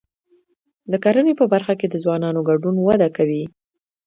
د کرنې په برخه کې د ځوانانو ګډون وده کوي.